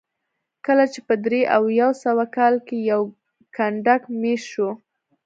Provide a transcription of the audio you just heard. کله چې په درې او یو سوه کال کې یو کنډک مېشت شو